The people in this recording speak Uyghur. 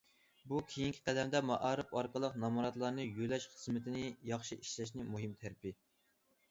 بۇ كېيىنكى قەدەمدە مائارىپ ئارقىلىق نامراتلارنى يۆلەش خىزمىتىنى ياخشى ئىشلەشنىڭ مۇھىم تەرىپى.